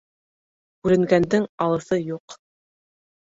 Күренгәндең алыҫы юҡ